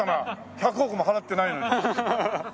１００億も払ってないのに。